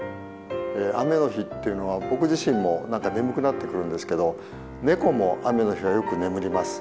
雨の日っていうのは僕自身も眠くなってくるんですけどネコも雨の日はよく眠ります。